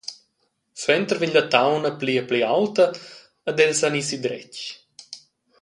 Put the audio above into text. Suenter vegn la tauna pli e pli aulta ed els san ir sidretg.